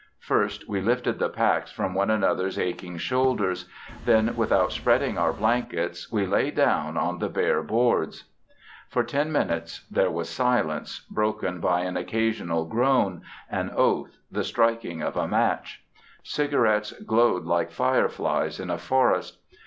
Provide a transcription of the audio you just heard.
First we lifted the packs from one another's aching shoulders: then, without spreading our blankets, we lay down on the bare boards. For ten minutes there was silence, broken by an occasional groan, an oath, the striking of a match. Cigarettes glowed like fireflies in a forest.